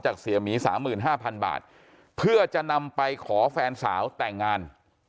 เสียหมี๓๕๐๐๐บาทเพื่อจะนำไปขอแฟนสาวแต่งงาน